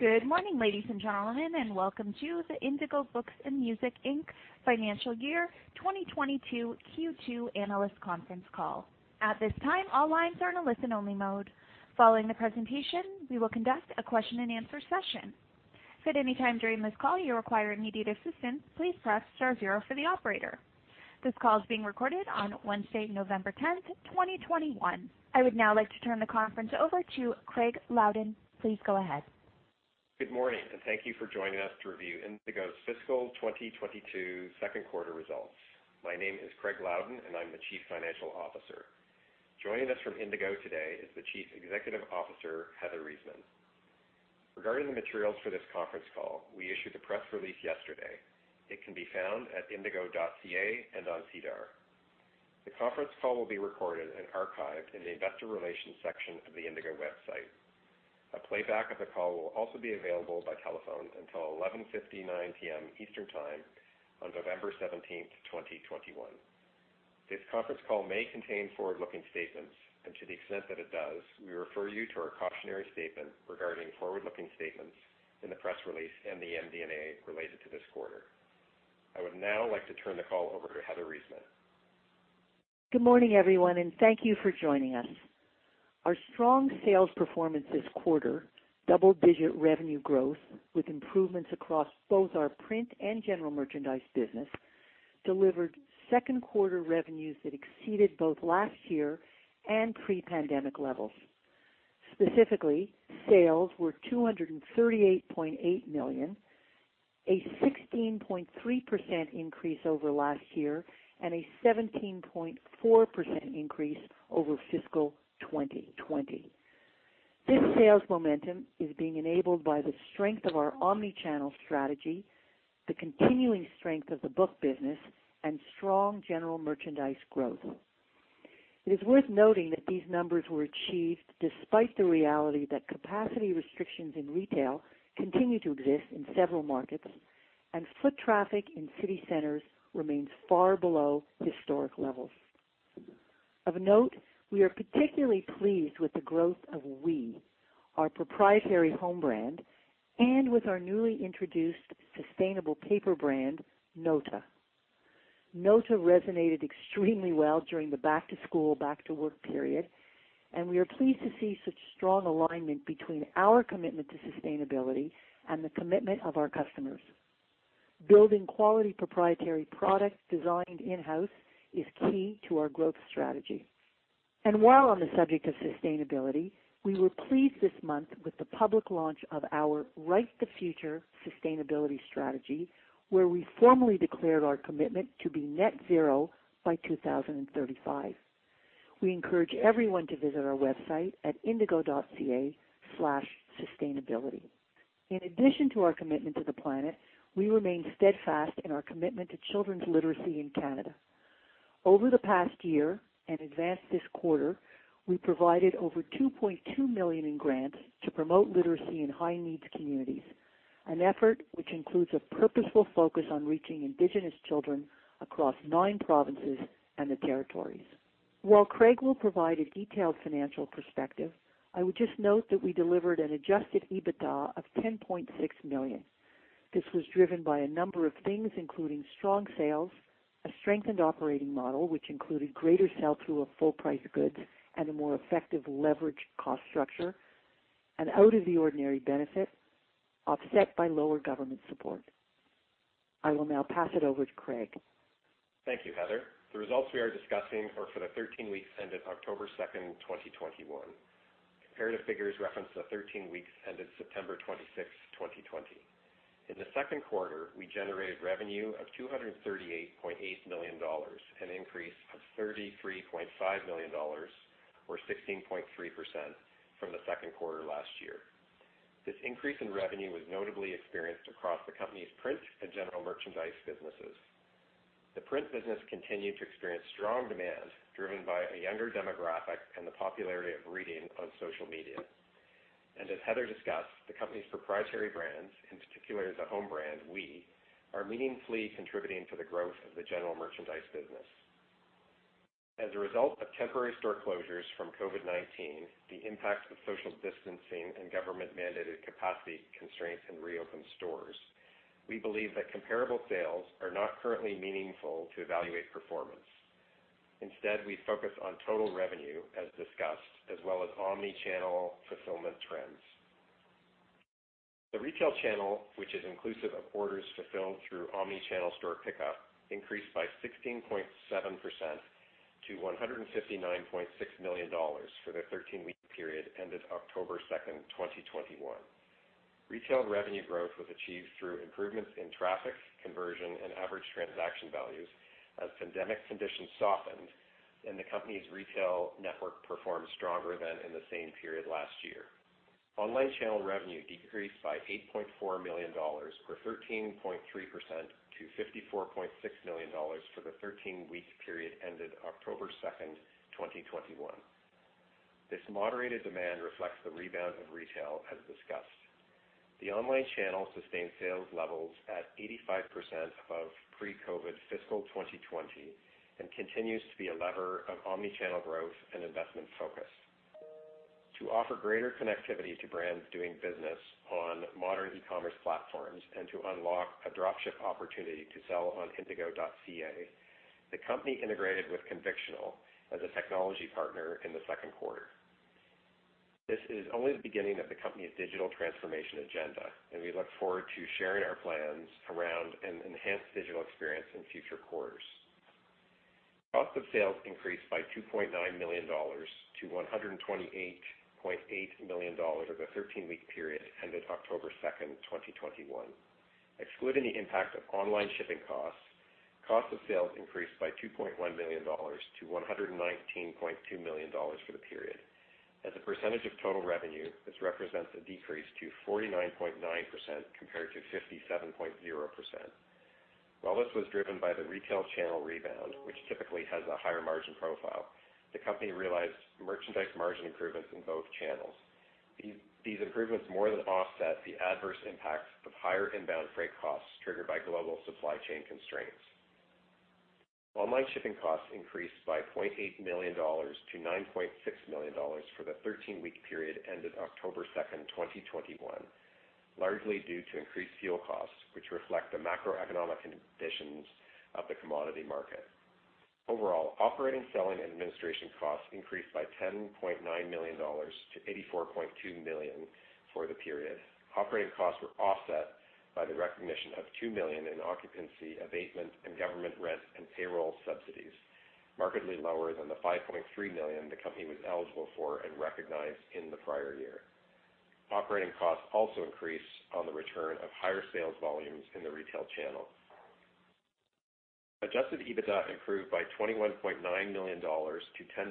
Good morning, ladies and gentlemen, and welcome to the Indigo Books & Music Inc. Fiscal Year 2022 Q2 Analyst Conference Call. At this time, all lines are in a listen-only mode. Following the presentation, we will conduct a question-and-answer session. If at any time during this call you require immediate assistance, please press star zero for the operator. This call is being recorded on Wednesday, November tenth, 2021. I would now like to turn the conference over to Craig Loudon. Please go ahead. Good morning, and thank you for joining us to review Indigo's fiscal 2022 second quarter results. My name is Craig Loudon, and I'm the Chief Financial Officer. Joining us from Indigo today is the Chief Executive Officer, Heather Reisman. Regarding the materials for this conference call, we issued the press release yesterday. It can be found at indigo.ca and on SEDAR. The conference call will be recorded and archived in the investor relations section of the Indigo website. A playback of the call will also be available by telephone until 11:59 P.M. Eastern Time on November 17, 2021. This conference call may contain forward-looking statements, and to the extent that it does, we refer you to our cautionary statement regarding forward-looking statements in the press release and the MD&A related to this quarter. I would now like to turn the call over to Heather Reisman. Good morning, everyone, and thank you for joining us. Our strong sales performance this quarter, double-digit revenue growth with improvements across both our print and general merchandise business, delivered second-quarter revenues that exceeded both last year and pre-pandemic levels. Specifically, sales were 238.8 million, a 16.3% increase over last year and a 17.4% increase over fiscal 2020. This sales momentum is being enabled by the strength of our omni-channel strategy, the continuing strength of the book business and strong general merchandise growth. It is worth noting that these numbers were achieved despite the reality that capacity restrictions in retail continue to exist in several markets and foot traffic in city centers remains far below historic levels. Of note, we are particularly pleased with the growth of OUI, our proprietary home brand, and with our newly introduced sustainable paper brand, Nóta. Nóta resonated extremely well during the back-to-school, back-to-work period, and we are pleased to see such strong alignment between our commitment to sustainability and the commitment of our customers. Building quality proprietary product designed in-house is key to our growth strategy. While on the subject of sustainability, we were pleased this month with the public launch of our Write the Future sustainability strategy, where we formally declared our commitment to be net zero by 2035. We encourage everyone to visit our website at indigo.ca/sustainability. In addition to our commitment to the planet, we remain steadfast in our commitment to children's literacy in Canada. Over the past year and advanced this quarter, we provided over 2.2 million in grants to promote literacy in high-needs communities, an effort which includes a purposeful focus on reaching Indigenous children across nine provinces and the territories. While Craig will provide a detailed financial perspective, I would just note that we delivered an adjusted EBITDA of 10.6 million. This was driven by a number of things, including strong sales, a strengthened operating model, which included greater sell-through of full-price goods and a more effective leveraged cost structure, an out-of-the-ordinary benefit offset by lower government support. I will now pass it over to Craig. Thank you, Heather. The results we are discussing are for the 13 weeks ended October 2, 2021. Comparative figures reference the 13 weeks ended September 26, 2020. In the second quarter, we generated revenue of 238.8 million dollars, an increase of 33.5 million dollars or 16.3% from the second quarter last year. This increase in revenue was notably experienced across the company's print and general merchandise businesses. The print business continued to experience strong demand driven by a younger demographic and the popularity of reading on social media. As Heather discussed, the company's proprietary brands, in particular the home brand OUI, are meaningfully contributing to the growth of the general merchandise business. As a result of temporary store closures from COVID-19, the impact of social distancing and government-mandated capacity constraints in reopened stores, we believe that comparable sales are not currently meaningful to evaluate performance. Instead, we focus on total revenue as discussed, as well as omni-channel fulfillment trends. The retail channel, which is inclusive of orders fulfilled through omni-channel store pickup, increased by 16.7% to 159.6 million dollars for the thirteen-week period ended October 2, 2021. Retail revenue growth was achieved through improvements in traffic conversion and average transaction values as pandemic conditions softened and the company's retail network performed stronger than in the same period last year. Online channel revenue decreased by 8.4 million dollars or 13.3% to 54.6 million dollars for the thirteen-week period ended October 2, 2021. This moderated demand reflects the rebound of retail as discussed. The online channel sustained sales levels at 85% of pre-COVID fiscal 2020 and continues to be a lever of omni-channel growth and investment focus. To offer greater connectivity to brands doing business on modern e-commerce platforms and to unlock a drop ship opportunity to sell on indigo.ca, the company integrated with Convictional as a technology partner in the second quarter. This is only the beginning of the company's digital transformation agenda, and we look forward to sharing our plans around an enhanced digital experience in future quarters. Cost of sales increased by 2.9 million dollars to 128.8 million dollars over the 13-week period ended October 2, 2021. Excluding the impact of online shipping costs, cost of sales increased by 2.1 million dollars to 119.2 million dollars for the period. As a percentage of total revenue, this represents a decrease to 49.9% compared to 57.0%. While this was driven by the retail channel rebound, which typically has a higher margin profile, the company realized merchandise margin improvements in both channels. These improvements more than offset the adverse impacts of higher inbound freight costs triggered by global supply chain constraints. Online shipping costs increased by 0.8 million dollars to 9.6 million dollars for the thirteen-week period ended October 2, 2021, largely due to increased fuel costs, which reflect the macroeconomic conditions of the commodity market. Overall, operating, selling, and administration costs increased by 10.9 million dollars to 84.2 million for the period. Operating costs were offset by the recognition of 2 million in occupancy, abatement, and government rent and payroll subsidies, markedly lower than the 5.3 million the company was eligible for and recognized in the prior year. Operating costs also increased on the return of higher sales volumes in the retail channel. Adjusted EBITDA improved by 21.9 million dollars to 10.6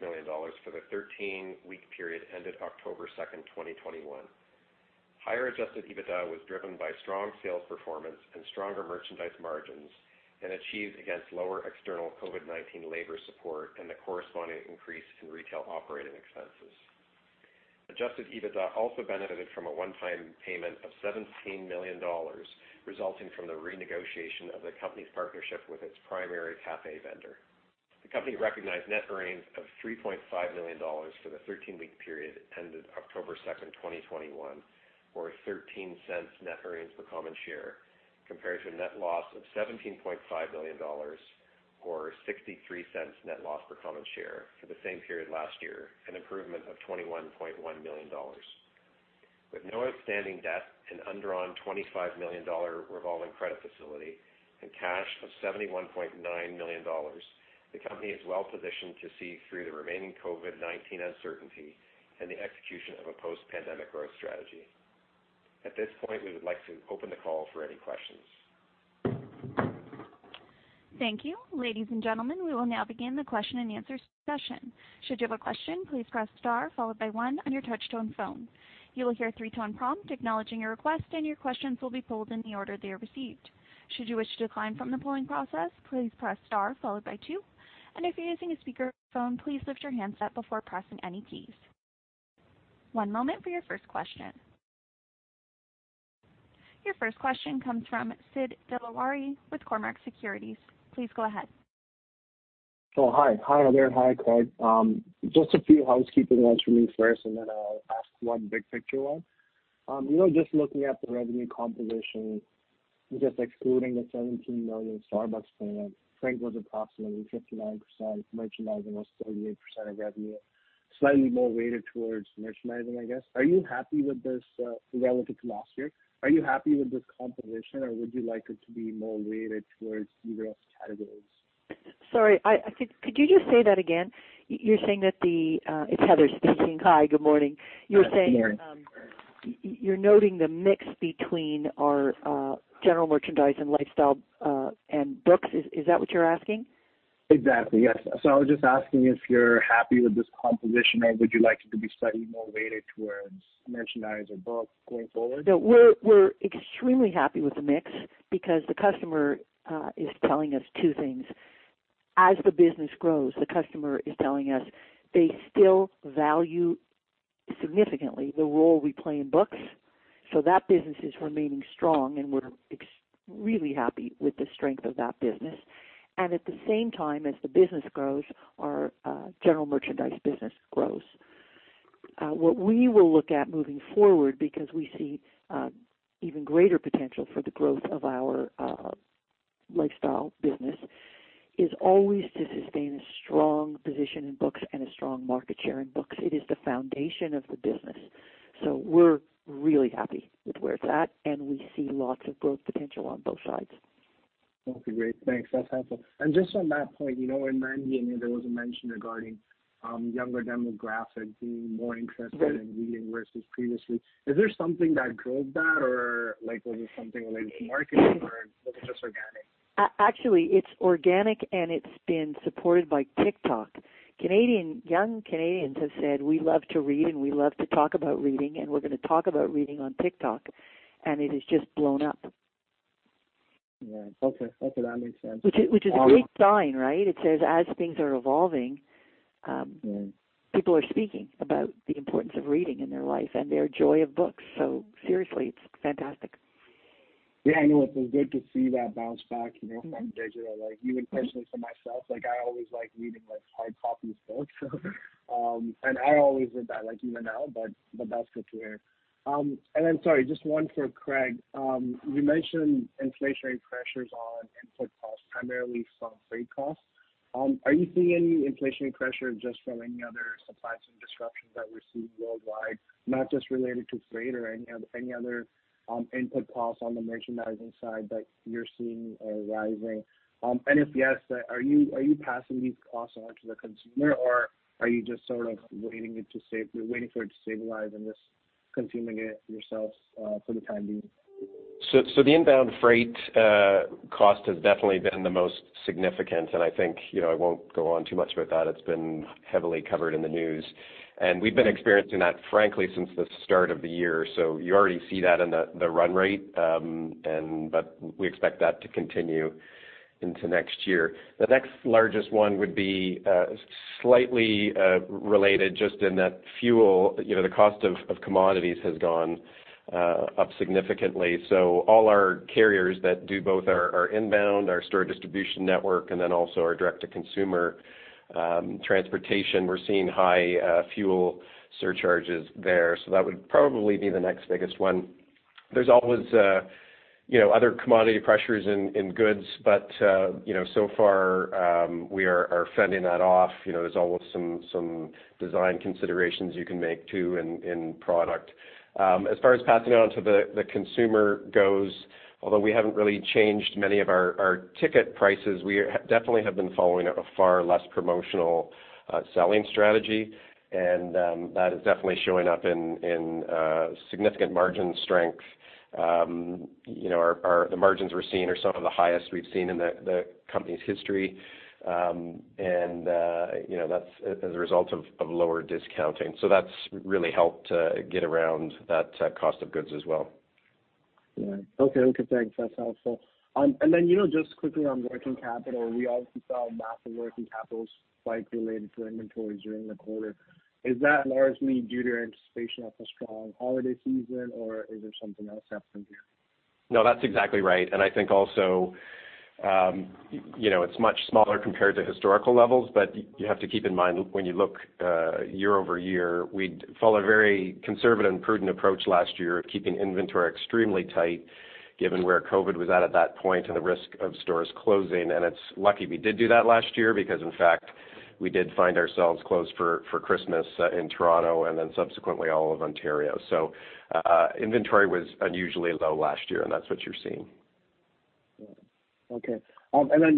million dollars for the 13-week period ended October 2, 2021. Higher adjusted EBITDA was driven by strong sales performance and stronger merchandise margins, and achieved against lower external COVID-19 labor support and the corresponding increase in retail operating expenses. Adjusted EBITDA also benefited from a one-time payment of 17 million dollars resulting from the renegotiation of the company's partnership with its primary café vendor. The company recognized net earnings of CAD 3.5 million for the thirteen-week period ended October 2, 2021, or 0.13 net earnings per common share, compared to a net loss of CAD 17.5 million or 0.63 net loss per common share for the same period last year, an improvement of CAD 21.1 million. With no outstanding debt, an undrawn CAD 25 million revolving credit facility, and cash of 71.9 million dollars, the company is well-positioned to see through the remaining COVID-19 uncertainty and the execution of a post-pandemic growth strategy. At this point, we would like to open the call for any questions. Thank you. Ladies and gentlemen, we will now begin the question-and-answer session. Should you have a question, please press star followed by one on your touch-tone phone. You will hear a three-tone prompt acknowledging your request, and your questions will be pulled in the order they are received. Should you wish to decline from the polling process, please press star followed by two. If you're using a speakerphone, please lift your handset before pressing any keys. One moment for your first question. Your first question comes from Sid Dilawri with Cormark Securities. Please go ahead. Oh, hi. Hi, Heather. Hi, Craig. Just a few housekeeping ones from me first, and then I'll ask one big-picture one. You know, just looking at the revenue composition, just excluding the 17 million Starbucks payment, rent was approximately 59%, merchandising was 38% of revenue, slightly more weighted towards merchandising, I guess. Are you happy with this relative to last year? Are you happy with this composition or would you like it to be more weighted towards either of those categories? Sorry, could you just say that again? You're saying that the. It's Heather speaking. Hi, good morning. Hi, Heather. You're saying you're noting the mix between our general merchandise and lifestyle and books. Is that what you're asking? Exactly, yes. I was just asking if you're happy with this composition or would you like it to be slightly more weighted towards merchandise or books going forward? No, we're extremely happy with the mix because the customer is telling us two things. As the business grows, the customer is telling us they still value significantly the role we play in books. That business is remaining strong, and we're extremely happy with the strength of that business. At the same time, as the business grows, our general merchandise business grows. What we will look at moving forward, because we see even greater potential for the growth of our lifestyle business, is always to sustain a strong position in books and a strong market share in books. It is the foundation of the business. We're really happy with where it's at, and we see lots of growth potential on both sides. Okay, great. Thanks. That's helpful. Just on that point, you know, in my opinion, there was a mention regarding younger demographics being more interested in reading versus previously. Is there something that drove that or like was it something related to marketing or was it just organic? Actually, it's organic, and it's been supported by TikTok. Canadian young Canadians have said, "We love to read, and we love to talk about reading, and we're gonna talk about reading on TikTok," and it has just blown up. Yeah. Okay, that makes sense. Which is a great sign, right? It says as things are evolving. Yeah People are speaking about the importance of reading in their life and their joy of books. Seriously, it's fantastic. Yeah, I know. It's been good to see that bounce back, you know, from digital. Like, even personally for myself, like I always like reading like hard copy books. And I always read that, like even now, but that's good to hear. And then sorry, just one for Craig. You mentioned inflationary pressures on input costs primarily from freight costs. Are you seeing any inflationary pressure just from any other supply chain disruptions that we're seeing worldwide, not just related to freight or any other input costs on the merchandising side that you're seeing are rising? And if yes, are you passing these costs on to the consumer or are you just sort of waiting for it to stabilize and just consuming it yourselves for the time being? The inbound freight cost has definitely been the most significant and I think, you know, I won't go on too much about that. It's been heavily covered in the news. We've been experiencing that frankly since the start of the year. You already see that in the run rate. But we expect that to continue into next year. The next largest one would be slightly related just in that fuel, you know, the cost of commodities has gone up significantly. All our carriers that do both our inbound, our store distribution network, and then also our direct to consumer transportation, we're seeing high fuel surcharges there. That would probably be the next biggest one. There's always, you know, other commodity pressures in goods but, you know, so far, we are fending that off. You know, there's always some design considerations you can make too in product. As far as passing it on to the consumer goes, although we haven't really changed many of our ticket prices, we definitely have been following a far less promotional selling strategy. That is definitely showing up in significant margin strength. You know, the margins we're seeing are some of the highest we've seen in the company's history. You know, that's as a result of lower discounting. That's really helped get around that cost of goods as well. Yeah. Okay. Okay, Craig. That's helpful. You know, just quickly on working capital, we obviously saw a massive working capital spike related to inventories during the quarter. Is that largely due to your anticipation of a strong holiday season or is there something else happening here? No, that's exactly right. I think also, you know, it's much smaller compared to historical levels but you have to keep in mind when you look year-over-year, we'd followed a very conservative and prudent approach last year of keeping inventory extremely tight given where COVID was at that point and the risk of stores closing and it's lucky we did do that last year because in fact we did find ourselves closed for Christmas in Toronto and then subsequently all of Ontario. Inventory was unusually low last year, and that's what you're seeing. Yeah. Okay.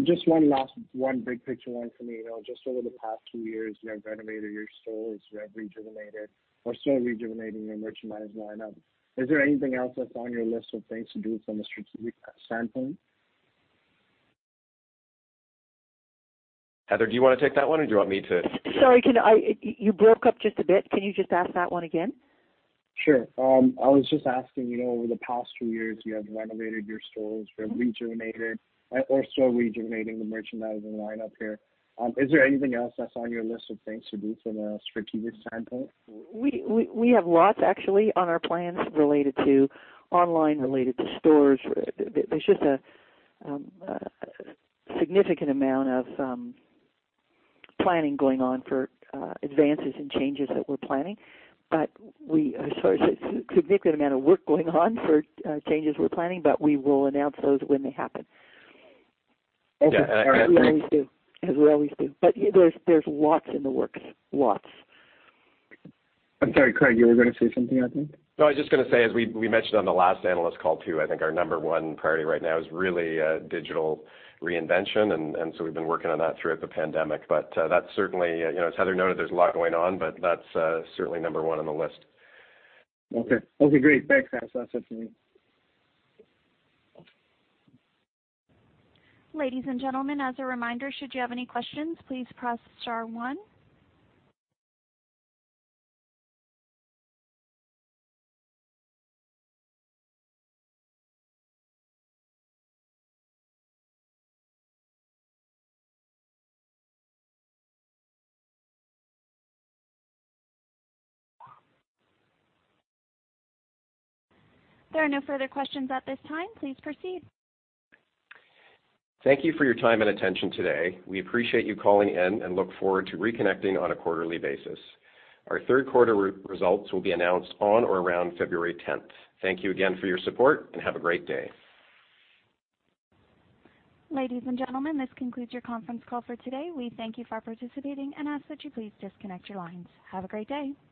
Just one last one big picture one for me. You know, just over the past two years, you have renovated your stores, you have rejuvenated or are still rejuvenating your merchandise lineup. Is there anything else that's on your list of things to do from a strategic standpoint? Heather, do you wanna take that one or do you want me to? Sorry, you broke up just a bit. Can you just ask that one again? Sure. I was just asking, you know, over the past two years you have renovated your stores, you have rejuvenated or are still rejuvenating the merchandising lineup here. Is there anything else that's on your list of things to do from a strategic standpoint? We have lots actually on our plans related to online, related to stores. There's just a significant amount of work going on for changes we're planning, but we will announce those when they happen. Yeah, I think. As we always do. There's lots in the works. Lots. I'm sorry, Craig, you were gonna say something I think. No, I was just gonna say as we mentioned on the last analyst call too, I think our number one priority right now is really, digital reinvention and so we've been working on that throughout the pandemic. That's certainly, you know, as Heather noted, there's a lot going on but that's certainly number one on the list. Okay. That's great. Thanks. That's it for me. Ladies and gentlemen, as a reminder should you have any questions, please press star one. There are no further questions at this time. Please proceed. Thank you for your time and attention today. We appreciate you calling in and look forward to reconnecting on a quarterly basis. Our third quarter results will be announced on or around February tenth. Thank you again for your support and have a great day. Ladies and gentlemen, this concludes your conference call for today. We thank you for participating and ask that you please disconnect your lines. Have a great day